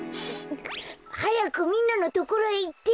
はやくみんなのところへいって！